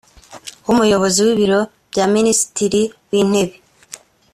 w umuyobozi w ibiro bya minisitiri w intebe